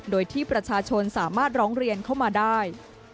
โดยที่ประชาชนสามารถร้องเรียนเข้ามาได้